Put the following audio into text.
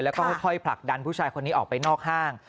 แล้วก็ค่อยผลักดันผู้ชายคนนี้ออกไปนอกห้าง